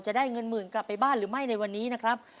จะได้เงินหมื่นกลับไปบ้านหรือไม่ในวันนี้นะครับ